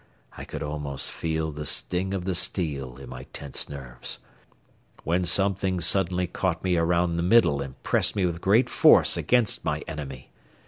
I could almost feel the sting of the steel in my tense nerves, when something suddenly caught me around the middle and pressed me with great force against my enemy.